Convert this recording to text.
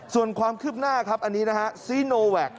ส่วนความคืบหน้าครับอันนี้นะฮะ